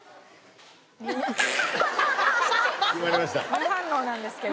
無反応なんですけど。